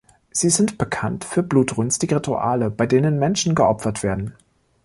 Sie sind bekannt für blutrünstige Rituale bei denen Menschen geopfert werden.